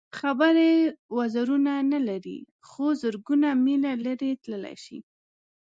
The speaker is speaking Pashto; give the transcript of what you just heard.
خبرې وزرونه نه لري خو زرګونه مېله لرې تللی شي.